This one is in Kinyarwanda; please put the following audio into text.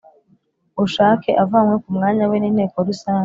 bushake avanywe ku mwanya we n Inteko Rusange